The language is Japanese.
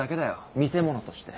見せ物として。